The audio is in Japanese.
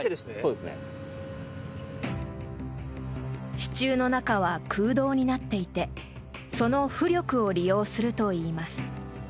支柱の中は空洞になっていてその浮力を利用するといいます。